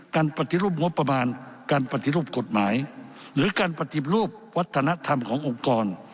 ปฏิรูปงบประมาณการปฏิรูปกฎหมายหรือการปฏิรูปวัฒนธรรมขององค์กร